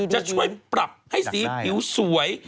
จะช่วยปรับให้สีผิวสวย